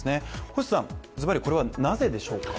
星さん、ずばりこれはなぜでしょうか？